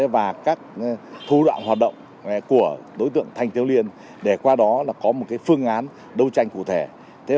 và các thu đoạn hoạt động của đối tượng thanh thiếu liên để qua đó có một phương án đấu tranh cụ thể